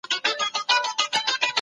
هغه خپل عزت وساتی او خپل هدف ته ورسېدی.